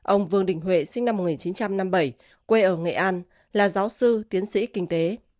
ông vương đình huệ sinh năm một nghìn chín trăm năm mươi bảy quê ở nghệ an là giáo sư tiến sĩ kinh tế